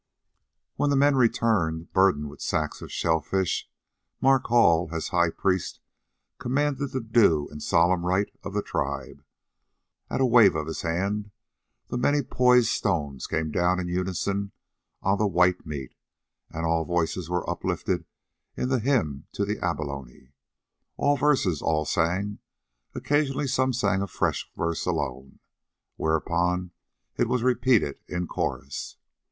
When the men returned, burdened with sacks of shellfish, Mark Hall, as high priest, commanded the due and solemn rite of the tribe. At a wave of his hand, the many poised stones came down in unison on the white meat, and all voices were uplifted in the Hymn to the Abalone. Old verses all sang, occasionally some one sang a fresh verse alone, whereupon it was repeated in chorus.